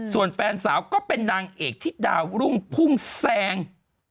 ส่วนแฟนสาวก็เป็นนางเอกที่ดาวรุ่งพุ่งแซง